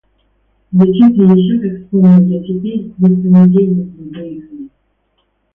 Да чуть ли еще, как вспомнил я теперь, не в понедельник мы выехали.